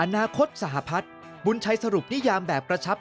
อนาคตสหพัฒน์บุญชัยสรุปนิยามแบบกระชับ